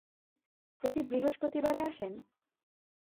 প্রতি বৃহস্পতিবারে আসেন?